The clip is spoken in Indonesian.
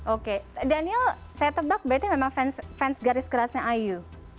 oke daniel saya tebak berarti memang fans garis kerasnya ayu